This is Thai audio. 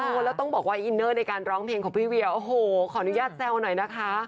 แล้วต้องบอกว่าอินเนอร์ในการร้องเพลงของพี่เวียโอ้โหขออนุญาตแซวหน่อยนะคะ